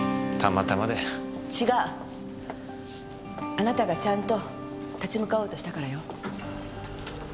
あなたがちゃんと立ち向かおうとしたからよ。